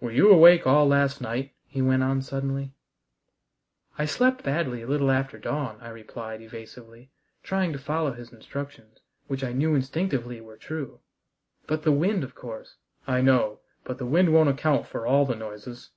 "Were you awake all last night?" he went on suddenly. "I slept badly a little after dawn," I replied evasively, trying to follow his instructions, which I knew instinctively were true, "but the wind, of course " "I know. But the wind won't account for all the noises."